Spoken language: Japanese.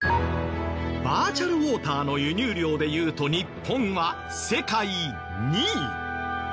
バーチャルウォーターの輸入量で言うと日本は世界２位。